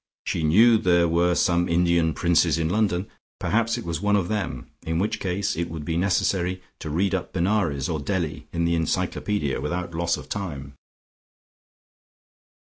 She knew there were some Indian princes in London; perhaps it was one of them, in which case it would be necessary to read up Benares or Delhi in the Encyclopaedia without loss of time.